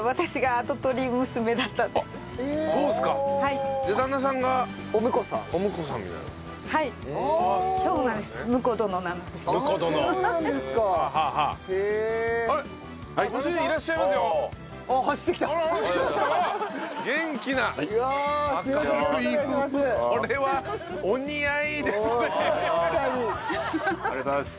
ありがとうございます。